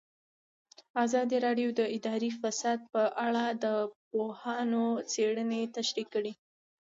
ازادي راډیو د اداري فساد په اړه د پوهانو څېړنې تشریح کړې.